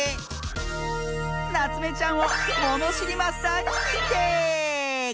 なつめちゃんをものしりマスターににんてい！